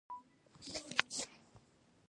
هغو مجرمینو چې سم کار نه کاوه وهل کېدل.